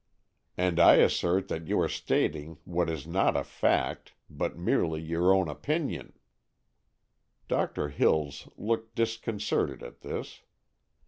"And I assert that you are stating what is not a fact, but merely your own opinion." Doctor Hills looked disconcerted at this.